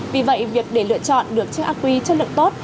vì vậy việc để lựa chọn được chiếc áo quy chất lượng tốt